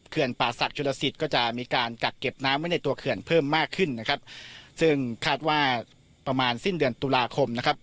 ป่าศักดิ์จุลสิตก็จะมีการกักเก็บน้ำไว้ในตัวเขื่อนเพิ่มมากขึ้นนะครับซึ่งคาดว่าประมาณสิ้นเดือนตุลาคมนะครับ